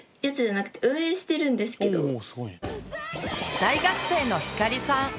大学生のひかりさん。